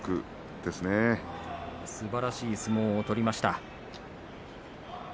すばらしい相撲を取りました。